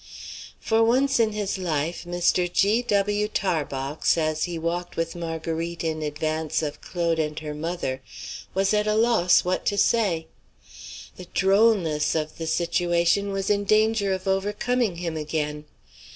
For once in his life Mr. G. W. Tarbox, as he walked with Marguerite in advance of Claude and her mother, was at a loss what to say. The drollness of the situation was in danger of overcoming him again.